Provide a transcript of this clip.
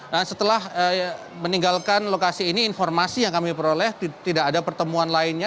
nah setelah meninggalkan lokasi ini informasi yang kami peroleh tidak ada pertemuan lainnya